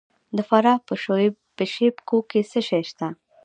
د فراه په شیب کوه کې څه شی شته؟